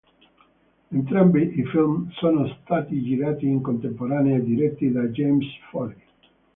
Entrambi i film sono stati girati in contemporanea e diretti da James Foley.